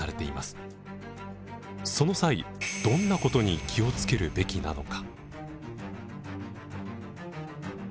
その際どんなことに気をつけるべきなのか？